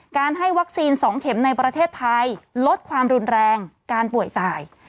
ให้วัคซีน๒เข็มในประเทศไทยลดความรุนแรงการป่วยตาย